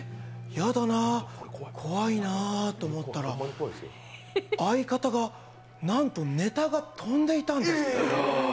やだなー、怖いなーと思ったら相方がなんとネタが飛んでいたんです。